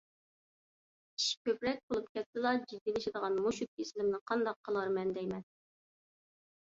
ئىش كۆپرەك بولۇپ كەتسىلا جىددىيلىشىدىغان مۇشۇ كېسىلىمنى قانداق قىلارمەن دەيمەن؟